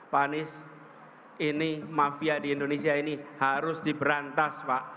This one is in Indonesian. pak anies ini mafia di indonesia ini harus diberantas pak